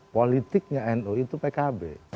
kritiknya nu itu pkb